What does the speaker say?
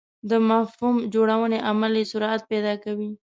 د مفهوم جوړونې عمل یې سرعت پیدا کوي.